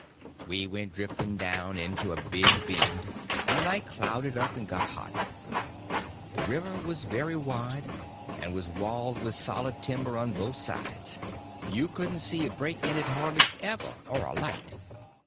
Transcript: We went drifting down into a big bend, and the night clouded up and got hot. The river was very wide, and was walled with solid timber on both sides; you couldn't see a break in it hardly ever, or a light.